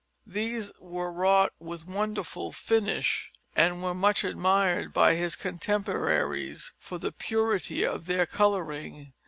These are wrought with wonderful finish, and were much admired by his contemporaries for the purity of their colouring.